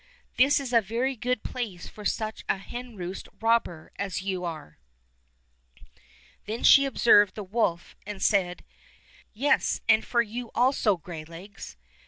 "This is a very good place for such a henroost robber as you are." Then she observed the woK and said: "Yes, and for you also, Greylegs.